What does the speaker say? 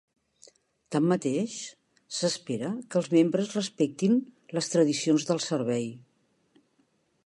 Tanmateix, s'espera que els membres respectin les tradicions del servei.